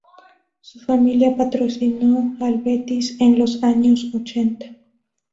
Su familia patrocinó al Betis en los años ochenta.